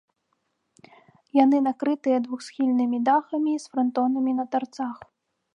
Яны накрытыя двухсхільнымі дахамі з франтонамі на тарцах.